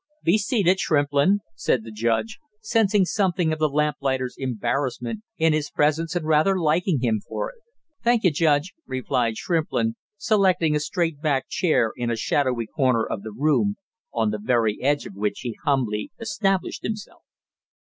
"Be seated, Shrimplin," said the judge, sensing something of the lamplighter's embarrassment in his presence and rather liking him for it. "Thank you, Judge," replied Shrimplin, selecting a straight backed chair in a shadowy corner of the room, on the very edge of which he humbly established himself.